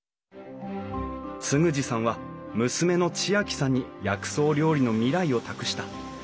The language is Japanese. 嗣二さんは娘の知亜季さんに薬草料理の未来を託した。